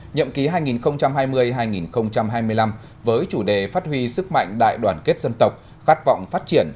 nhậm ký hai nghìn hai mươi hai nghìn hai mươi năm với chủ đề phát huy sức mạnh đại đoàn kết dân tộc khát vọng phát triển